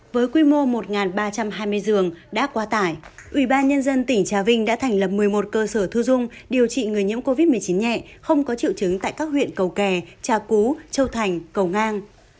với quy mô một ba trăm hai mươi giường đã qua tải ubnd tỉnh trà vinh đã thành lập một mươi một cơ sở thu dung điều trị người nhiễm covid một mươi chín nhẹ không có triệu chứng tại các huyện cầu kè trà cú châu thành cầu ngang